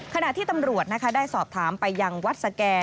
ขณะที่ตำรวจได้สอบถามไปยังวัดสแก่